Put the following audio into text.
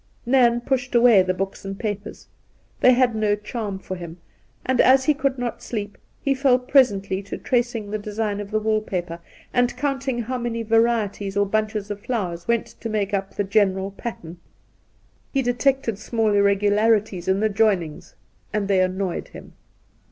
Nairn pushed away the books and papers. They had no charm for him, and, as he could not sleep, he fell presently to tracing the design of the wall paper and counting how many varieties or bunches of flowers went to make up the general pattern. I20 Induna Nairn He detected small irregularities in the joinings, and they annoyed him.